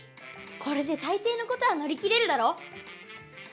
これでたいていのことはのり切れるだろ？